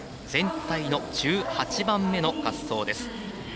全体の１８番目の滑走です。